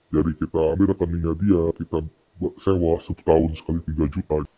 jadi kita ambil rekeningnya dia kita sewa setahun sekali tiga juta